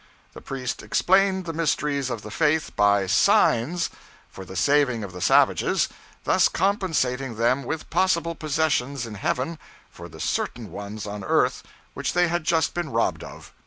The priest explained the mysteries of the faith 'by signs,' for the saving of the savages; thus compensating them with possible possessions in Heaven for the certain ones on earth which they had just been robbed of.